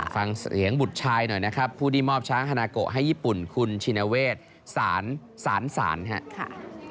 ฟังเสียงบุตรชายหน่อยนะครับผู้ที่มอบช้างฮานาโกะให้ญี่ปุ่นคุณชินเวศสารครับ